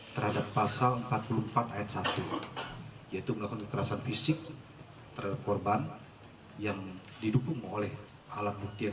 terhadap pasal empat puluh empat ayat satu yaitu melakukan kekerasan fisik terhadap korban yang didukung oleh alat bukti